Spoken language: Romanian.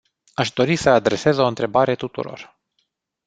Aș dori să adresez o întrebare tuturor.